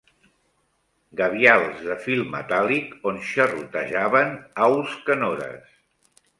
Gavials de fil metàl·lic on xerrotejaven aus canores